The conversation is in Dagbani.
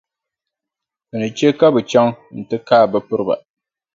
Bɛ ni che ka bɛ chaŋ nti kaai bɛ piriba.